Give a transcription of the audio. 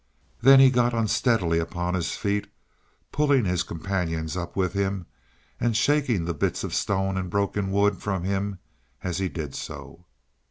Then he got unsteadily upon his feet, pulling his companions up with him and shaking the bits of stone and broken wood from him as he did so.